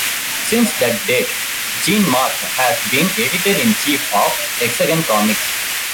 Since that date, Jean-Marc has been editor-in-chief of Hexagon Comics.